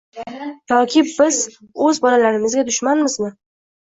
Yoki biz o‘z bolalarimizga dushmanmizmi?